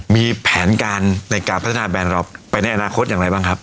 มีแผนการในการพัฒนาแบรนด์เราไปในอนาคตอย่างไรบ้างครับ